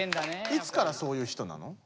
いつからそういう人なの？